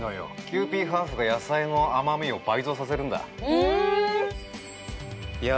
キユーピーハーフが野菜の甘みを倍増させるんだいや